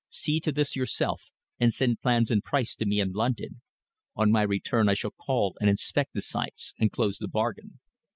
See to this yourself and send plans and price to me in London. On my return I shall call and inspect the sites and close the bargain."